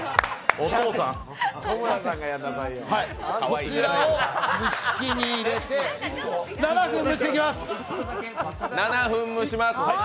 こちらを蒸し器に入れて７分蒸していきます。